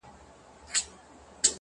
• باندي شعرونه ليكم؛